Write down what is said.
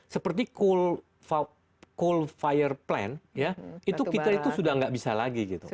seperti coal fire plant kita itu sudah tidak bisa lagi